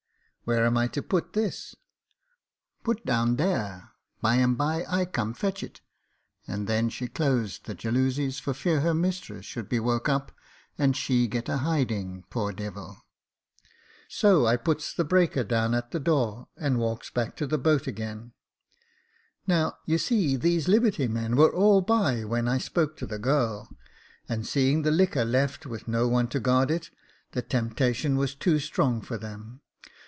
*"* Where am I to put this ?Put down there ; by and bye I come fetch it ;' and then she closed the jalousies, for fear her mistress should be woke up, and she get a hiding, poor devil. So I puts the breaker down at the door, and walks back to the boat again. Now, you see these liberty men were all by when I spoke to the girl, and seeing the liquor left with no one to guard it, the temptation was too strong for them.